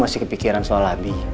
masih kepikiran soal hal